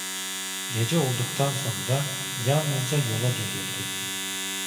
Gece olduktan sonra yalnızca yola düzüldü.